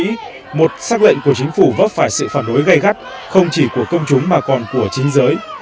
trong lịch sử nước mỹ một xác lệnh của chính phủ vấp phải sự phản đối gây gắt không chỉ của công chúng mà còn của chính giới